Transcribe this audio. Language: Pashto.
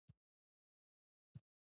یووالی مو غواړم پښتنو.